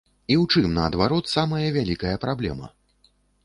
І ў чым, наадварот, самая вялікая праблема?